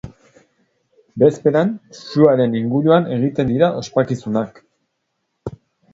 Bezperan, suaren inguruan egiten dira ospakizunak.